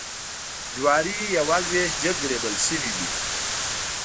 جوارېوه لویشت جګ ریبل شوي وې.